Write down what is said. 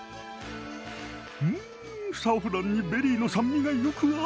んサフランにベリーの酸味がよく合う。